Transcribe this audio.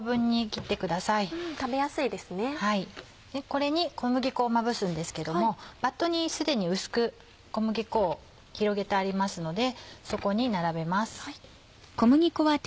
これに小麦粉をまぶすんですけどもバットに既に薄く小麦粉を広げてありますのでそこに並べます。